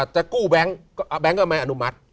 แต่กู้แบงก์ก็ไม่อนุมัติ